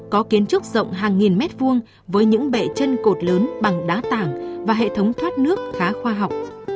có kiến trúc rộng hàng nghìn mét vuông với những bệ chân cột lớn bằng đá tảng và hệ thống thoát nước khá khoa học